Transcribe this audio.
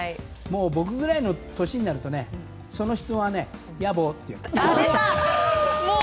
僕ぐらいの年になるとその質問は野暮ってね。